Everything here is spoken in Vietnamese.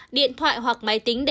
điện thoại hoặc máy tính đề